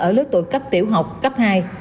ở lớp tuổi cấp tiểu học cấp hai